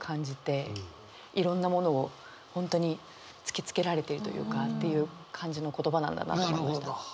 いろんなものを本当に突き付けられているというかという感じの言葉なんだなと思いました。